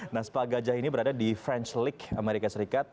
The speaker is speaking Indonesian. nah spa gajah ini berada di franch league amerika serikat